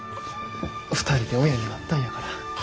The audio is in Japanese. ２人で親になったんやから。